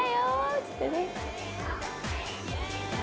っつってね。